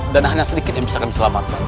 dan hanya sedikit yang bisa kami selamatkan